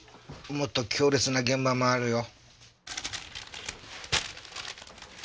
もっと強烈な現場もあるよ。